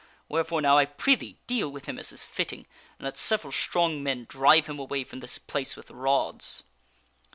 Wherefore, now, I prithee, deal with him as is fitting, and let several strong men drive .him away from this place with rods."